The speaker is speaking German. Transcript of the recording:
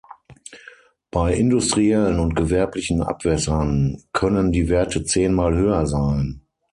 Bei industriellen und gewerblichen Abwässern können die Werte zehnmal höher sein.